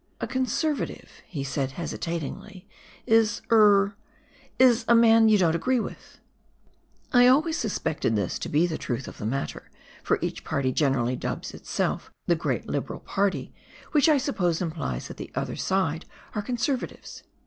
" A Conservative," he said hesitatingly, " is — er — is a man you don't agree with "! I always suspected this to be the truth of the matter, for each party generally dubs itself the " Great Liberal Party," which I suppose implies that the other side are Conservatives